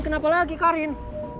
kenapa lagi karin